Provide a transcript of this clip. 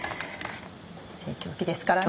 成長期ですからね。